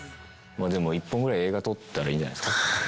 でも、１本ぐらい映画撮ったらいいんじゃないですか。